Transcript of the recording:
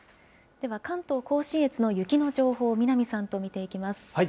では関東甲信越の雪の情報を南さんと見ていきます。